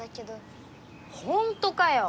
ほんとかよ？